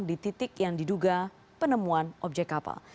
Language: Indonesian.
di titik yang diduga penemuan objek kapal